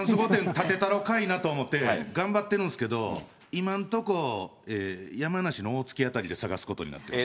建てたろかいなと思って頑張ってるんですけれども、今のとこ、山梨の大月辺りで探すことになってます。